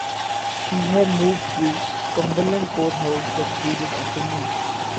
He had moved through Cumberland Court House the previous afternoon.